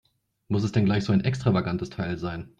Muss es denn gleich so ein extravagantes Teil sein?